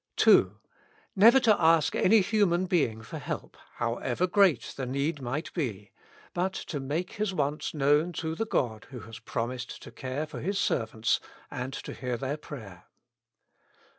2. Never to ask any human being for help, however great the need might be, but to make his wants known to the God who has promised to care for His servants and to hear their prayer.